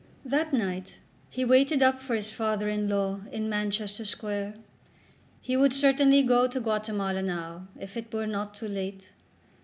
That night he waited up for his father in law in Manchester Square. He would certainly go to Guatemala now, if it were not too late.